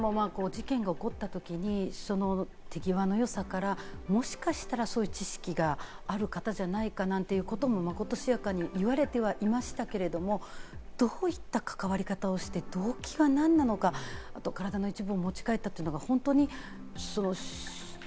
しかも事件が起こったときに手際の良さからもしかしたら、そういう知識がある方じゃないかなんてことも、まことしやかに言われてはいましたけれども、どういった関わり方をして、動機は何なのか、体の一部を持ち帰ったというのが本当に恐ろしい。